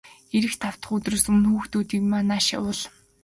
Ирэх тав дахь өдрөөс өмнө хүүхдүүдийг минь нааш нь явуул.